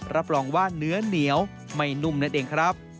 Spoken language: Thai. รับรองว่าเนื้อเหนียวไม่นุ่มนั่นเองครับ